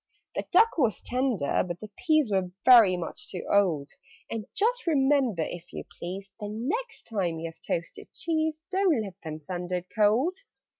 "The duck was tender, but the peas Were very much too old: And just remember, if you please, The next time you have toasted cheese, Don't let them send it cold.